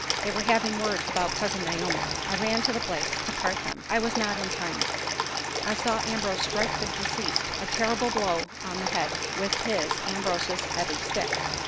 They were having words about Cousin Naomi. I ran to the place to part them. I was not in time. I saw Ambrose strike the deceased a terrible blow on the head with his (Ambrose's) heavy stick.